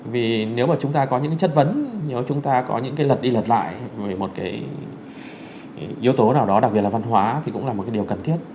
vì nếu mà chúng ta có những chất vấn nếu chúng ta có những cái lật đi lật lại một cái yếu tố nào đó đặc biệt là văn hóa thì cũng là một cái điều cần thiết